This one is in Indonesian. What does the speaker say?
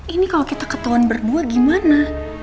ini kalau kita ketahuan berdua gimana